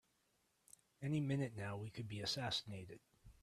Any minute now we could be assassinated!